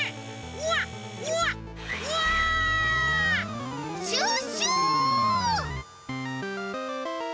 うわっうわっ！うわ！シュッシュ！